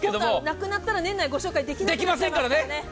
なくなったら年内、ご紹介できませんからね。